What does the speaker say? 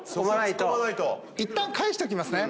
いったん返しときますね